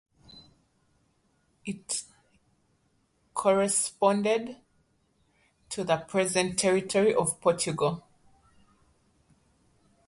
It corresponded to the present territory of Portugal.